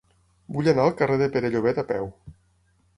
Vull anar al carrer de Pere Llobet a peu.